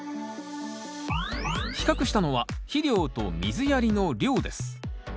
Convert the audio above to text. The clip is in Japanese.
比較したのは肥料と水やりの量です。